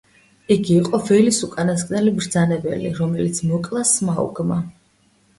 იგი იყო ველის უკანასკნელი მბრძანებელი, რომელიც მოკლა სმაუგმა.